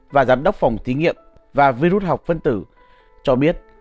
và giám đốc phòng thí nghiệm và vi rút học phân tử cho biết